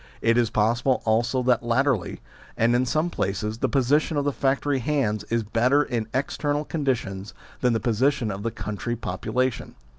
It is possible also that latterly, and in some places, the position of the factory hands is better in external conditions than the position of the country population.